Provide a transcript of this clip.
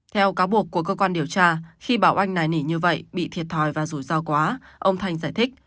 theo cáo buộc của cơ quan điều tra khi bảo oanh này nỉ như vậy bị thiệt thòi và rủi ro quá ông thanh giải thích